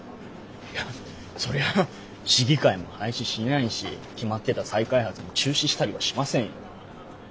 いやそりゃ市議会も廃止しないし決まってた再開発も中止したりはしませんよ。